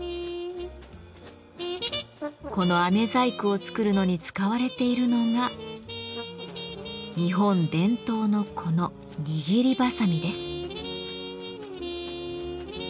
この飴細工を作るのに使われているのが日本伝統のこの握りばさみです。